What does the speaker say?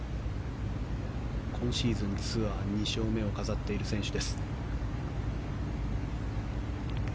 今シーズンツアー２勝目を飾っている選手。